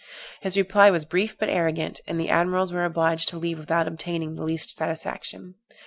His reply was brief and arrogant, and the admirals were obliged to leave without obtaining the least satisfaction.